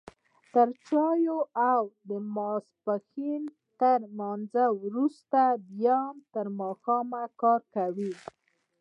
تر چايو او د ماسپښين تر لمانځه وروسته بيا تر ماښامه کار کوي.